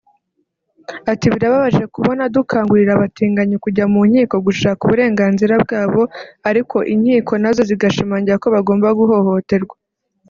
Ati “Birababaje kubona dukangurira abatinganyi kujya mu nkiko gushaka uburenganzira bwabo ariko inkiko nazo zigashimangira ko bagomba guhohoterwa